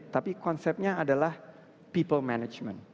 tapi konsepnya adalah people management